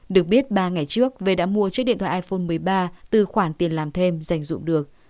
được biết ba ngày trước v đã mua chiếc điện thoại iphone một mươi ba từ khoản tiền làm thêm dành dụng được